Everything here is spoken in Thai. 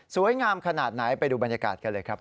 ขนาดไหนไปดูบรรยากาศกันเลยครับ